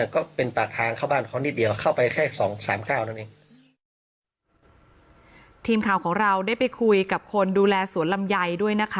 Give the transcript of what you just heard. ก็เป็นปากทางเข้าบ้านเขาออกนิดเดียว